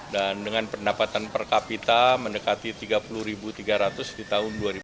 dan dengan pendapatan per kapita mendekati rp tiga puluh tiga ratus di tahun dua ribu dua puluh